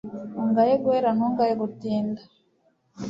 ungaye guhera ntungaye gutinda